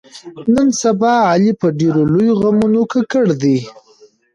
نن سبا علي په ډېرو لویو غمونو ککړ دی.